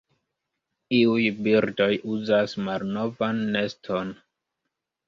Iuj birdoj uzas malnovan neston.